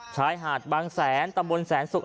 ชายหาดบางแสนตำบลแสนศุกร์